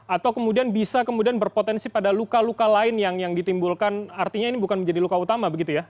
atau kemudian bisa kemudian berpotensi pada luka luka lain yang ditimbulkan artinya ini bukan menjadi luka utama begitu ya